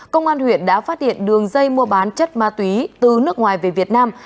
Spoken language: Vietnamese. công an huyện đã phát hiện đường dây mua bán chất ma túy từ nước ngoài về việt nam